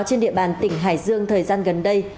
trên địa bàn tỉnh hải dương thời gian gần đây